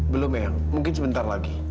belum ya mungkin sebentar lagi